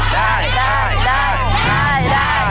ได้